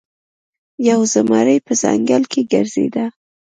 یو زمری په ځنګل کې ګرځیده.